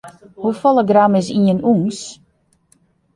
Hoefolle gram is ien ûns?